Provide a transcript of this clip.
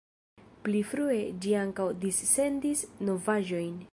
Pli frue ĝi ankaŭ dissendis novaĵojn.